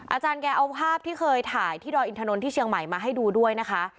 อาจารย์แกเอาภาพที่เคยถ่ายที่ดอยอินทนนท์ที่เชียงใหม่มาให้ดูด้วยนะคะ